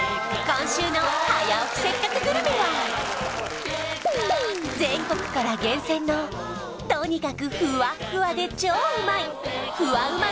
今週の「早起きせっかくグルメ！！」は全国から厳選のとにかくフワッフワで超うまいフワうま